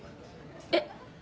えっ？